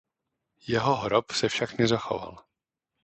Jeho hrob se však nezachoval.